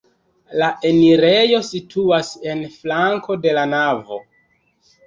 La enirejo situas en flanko de la navo.